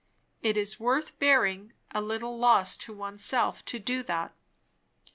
It is worth bearing a little loss oneself to do that."